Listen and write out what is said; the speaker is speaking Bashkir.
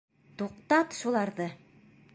Туҡтат шуларҙы!!!